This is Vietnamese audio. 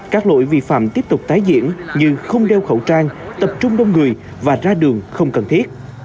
các lỗi vi phạm tiếp tục tái diễn như không đeo khẩu trang tập trung đông người và ra đường không cần thiết